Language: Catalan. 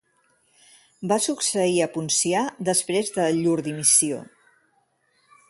Va succeir a Poncià després de llur dimissió.